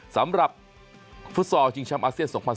สำหรับฟุตสอลจิงชำอาเซียน๒๐๑๖